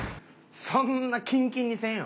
そんなキンキンにせんよ。